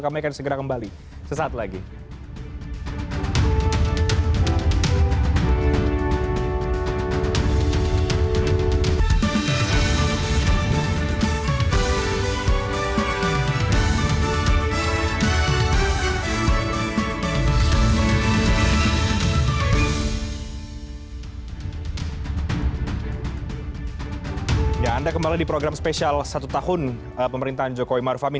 kami akan segera kembali